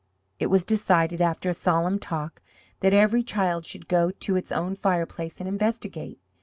It was decided, after a solemn talk, that every child should go to its own fireplace and investigate.